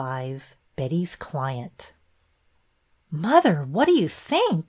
XXV Betty's client " il" OTHER, what do you think?"